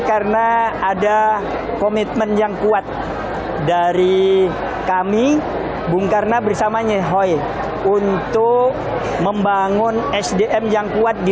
karena ada komitmen yang kuat dari kami bung karna bersamanya hoi untuk membangun sdm yang kuat di